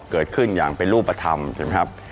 เกิดขึ้นอย่างเป็นรูปธรรมใช่ไหมครับ